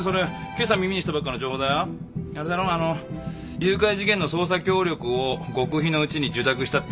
誘拐事件の捜査協力を極秘のうちに受託したってやつだろ？